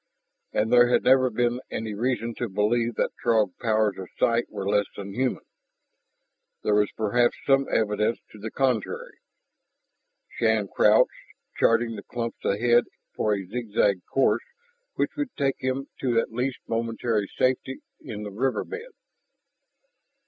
And there had never been any reason to believe that Throg powers of sight were less than human; there was perhaps some evidence to the contrary. Shann crouched, charting the clumps ahead for a zigzag course which would take him to at least momentary safety in the river bed.